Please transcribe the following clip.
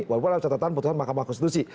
walaupun dalam catatan putusan mahkamah konstitusi